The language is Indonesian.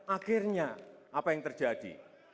akhirnya apa yang terjadi